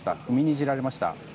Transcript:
踏みにじられました。